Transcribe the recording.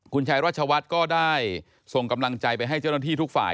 คุณชายรัชวัฒน์ก็ได้ส่งกำลังใจไปให้เจ้าหน้าที่ทุกฝ่าย